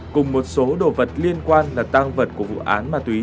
cùng một số đồ vật liên quan là tăng vật của vụ án ma túy